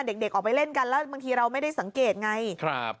เด็กออกไปเล่นกันแล้วบางทีเราไม่ได้สังเกตไงครับ